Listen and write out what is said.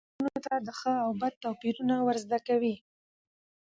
تعلیم نجونو ته د ښه او بد توپیر ور زده کوي.